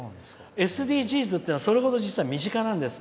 ＳＤＧｓっていうのはそれほど実は身近なんです。